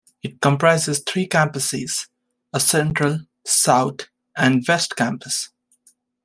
It comprises three campuses, a central, south, and west campus.